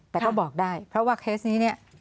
แต่ก็บอกได้เพราะว่าเคสนี้เนี่ย